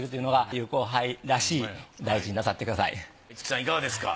いかがですか？